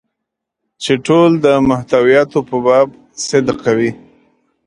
چې ټول د محتویاتو په باب صدق کوي.